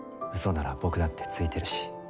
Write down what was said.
嘘なら僕だってついてるし。